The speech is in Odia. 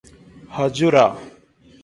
ହଜୁର!